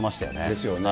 ですよね。